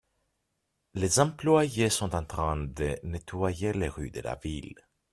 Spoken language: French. Les employés sont en train de nettoyer les rues de la ville.